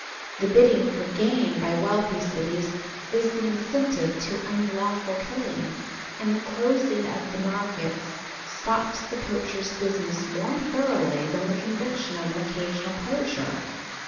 The bidding for game by wealthy cities is the incentive to unlawful killing, and the closing of the markets stops the poacher's business more thoroughly than the conviction of an occasional poacher.